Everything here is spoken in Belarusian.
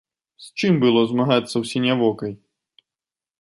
З чым было змагацца ў сінявокай?